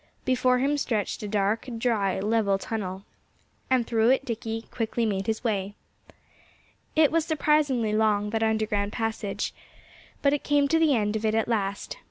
Before him stretched a dark, dry, level tunnel. And through it Dickie quickly made his way. It was surprisingly long that underground passage. But he came to the end of it at last.